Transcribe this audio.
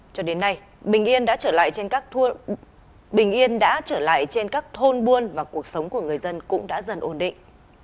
cho đến nay bình yên đã trở lại trên các thôn buôn và cuộc sống của người dân cũng đã dần ổn định